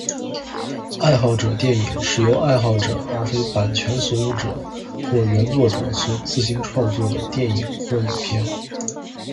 爱好者电影是由爱好者而非版权所有者或原作者所自行创作的电影或影片。